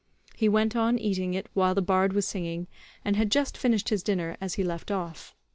He went on eating it while the bard was singing, and had just finished his dinner as he left off.